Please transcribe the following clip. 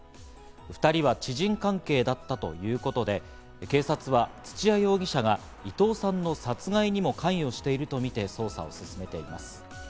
２人は知人関係だったということで、警察は土屋容疑者が伊藤さんの殺害にも関与しているとみて捜査を進めています。